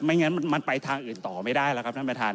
งั้นมันไปทางอื่นต่อไม่ได้แล้วครับท่านประธาน